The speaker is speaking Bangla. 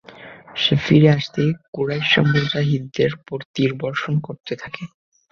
সে ফিরে আসতেই কুরাইশরা মুজাহিদদের উপর তীর বর্ষণ করতে থাকে।